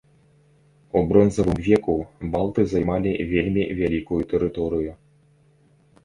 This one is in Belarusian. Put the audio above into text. У бронзавым веку балты займалі вельмі вялікую тэрыторыю.